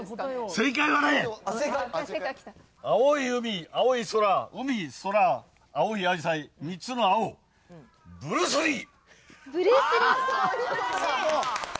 正解はね、青い海、青い空、海、空、青いあじさい、３つの青、ブルースリー。